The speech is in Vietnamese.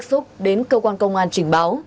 trong khi được tiếp xúc đến cơ quan công an trình báo